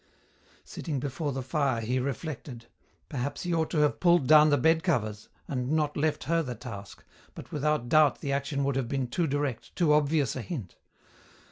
Sitting before the fire he reflected. Perhaps he ought to have pulled down the bed covers, and not left her the task, but without doubt the action would have been too direct, too obvious a hint.